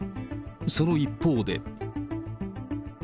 その一方で。